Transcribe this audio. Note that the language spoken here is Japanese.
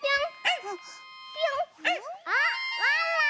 あワンワン！